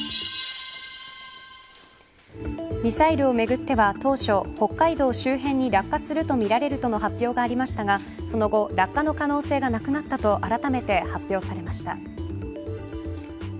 ミサイルをめぐっては当初北海道周辺に落下するとみられるとの発表がありましたが、その後落下の可能性がなくなったとあらためて発表されました。